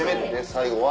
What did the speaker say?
最後は？